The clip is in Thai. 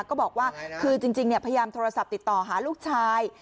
ก็บอกว่าคือจริงพยายามโทรศัพท์ติดต่อหาลูกชาย